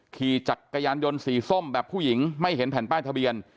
ขี่จักรยานยนต์สีส้มแบบผู้หญิงไม่เห็นแผ่นป้ายทะเบียน